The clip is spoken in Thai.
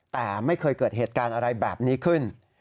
แต่ไม่เคยเกิดเหตุการณ์อะไรแบบนี้ขึ้น